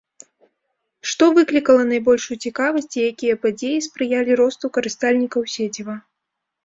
Што выклікала найбольшую цікавасць і якія падзеі спрыялі росту карыстальнікаў сеціва.